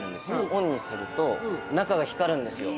オンにすると、中が光るんですよ。